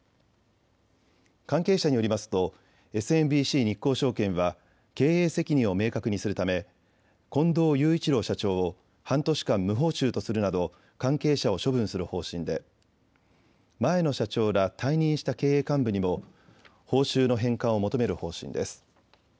関係者によりますとＳＭＢＣ日興証券は経営責任を明確にするため近藤雄一郎社長を半年間、無報酬とするなど関係者を処分する方針で前の社長ら退任した経営幹部にも報酬の返還を求める方針です。